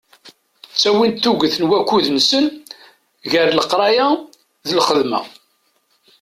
Ttawin-d tuget n wakud-nsen gar leqraya d lxedma.